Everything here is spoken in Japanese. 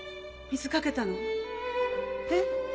水かけたの？え？